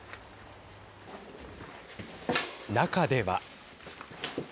中では。